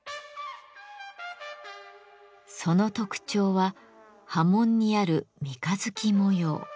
その特徴は刃文にある三日月模様。